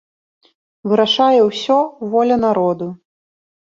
Вырашае ўсё воля народу.